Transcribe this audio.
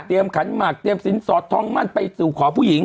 ขันหมากเตรียมสินสอดทองมั่นไปสู่ขอผู้หญิง